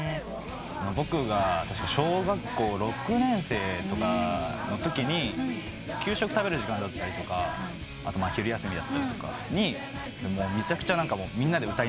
僕が確か小学校６年生とかのときに給食食べる時間だったりとか昼休みだったりとかにめちゃくちゃみんなで歌いながら盛り上がってて。